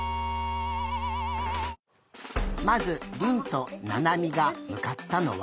まずりんとななみがむかったのは。